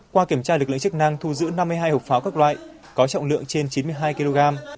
qua kiểm tra lực lượng chức năng thu giữ năm mươi hai hộp pháo các loại có trọng lượng trên chín mươi hai kg